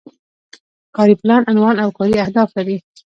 کاري پلان عنوان او کاري اهداف لري.